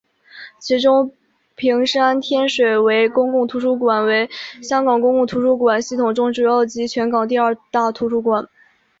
其中屏山天水围公共图书馆为香港公共图书馆系统中主要及全港第二大图书馆。